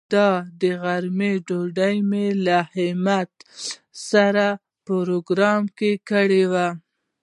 د دې غرمې ډوډۍ مې له همت سره پروگرام کړې وه.